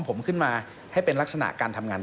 ผมขึ้นมาให้เป็นลักษณะการทำงาน